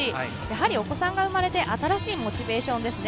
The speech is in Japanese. お子さんが生まれて新しいモチベーションですね。